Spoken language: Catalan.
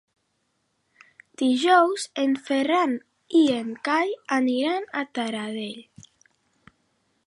Dijous en Ferran i en Cai aniran a Taradell.